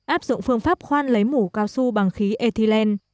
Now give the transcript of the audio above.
áp dụng phương pháp khoan lấy mũ cao su bằng khí ethylene